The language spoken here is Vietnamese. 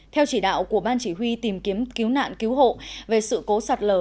theo chỉ đạo của ban chỉ huy tìm kiếm cứu nạn cứu hộ về sự cố sạt lở